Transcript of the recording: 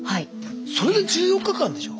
それで１４日間でしょ？